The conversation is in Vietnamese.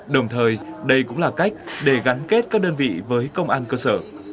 đồng thời đây cũng là cách để gắn kết các đơn vị với công an cơ sở